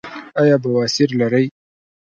ایا بواسیر لرئ؟